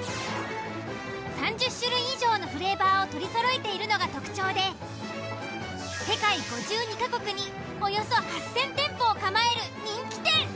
３０種類以上のフレーバーを取りそろえているのが特徴で世界５２ヵ国におよそ８、０００店舗を構える人気店。